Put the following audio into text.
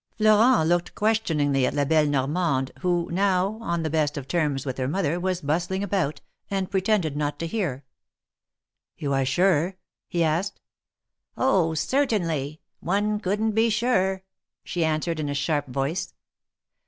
Florent looked questioningly at La belle Normande, who, now on the best of terms with her mother, was bustling about, and pre tended not to hear. You are sure?" he asked. Oh ! certainly. One couldn^t be surer !" she answered, in a sharp voice.